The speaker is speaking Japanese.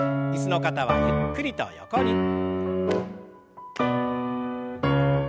椅子の方はゆっくりと横に。